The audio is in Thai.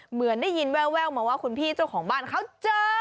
เหมือนได้ยินแววมาว่าคุณพี่เจ้าของบ้านเขาเจอ